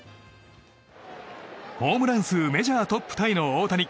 ホームラン数メジャートップタイの大谷。